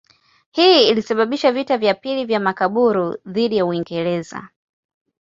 Hii ilisababisha vita vya pili vya Makaburu dhidi ya Uingereza.